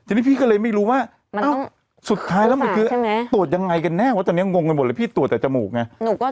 ทีนี้พี่ก็เลยไม่รู้ว่ามันต้องสุดท้ายแล้วมันคือตรวจยังไงกันแน่ว่าตอนนี้งงกันหมดเลยพี่ตรวจแต่จมูกไง